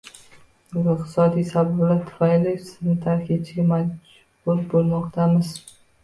Bugun iqtisodiy sabablar tufayli sizni tark etishga majbur bo‘lmoqdamiz.